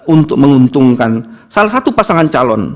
untuk menguntungkan salah satu pasangan calon